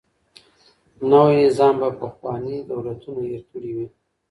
نوی نظام به پخواني دولتونه هیر کړي وي.